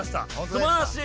すばらしい！